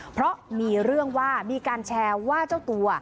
เพราะมีเรื่องว่ามีการแชร์ว่าเจ้าตัว